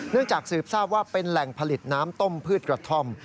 จากสืบทราบว่าเป็นแหล่งผลิตน้ำต้มพืชกระท่อม